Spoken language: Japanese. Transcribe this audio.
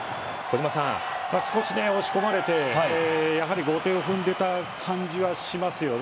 少し押し込まれて後手を踏んでいた感じがしましたね。